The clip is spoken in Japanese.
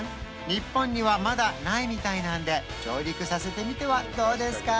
日本にはまだないみたいなんで上陸させてみてはどうですか？